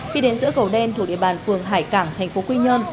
khi đến giữa cầu đen thuộc địa bàn phường hải cảng thành phố quy nhơn